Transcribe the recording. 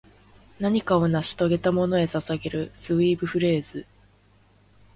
何かを成し遂げたものへ捧げるスウィープフレーズ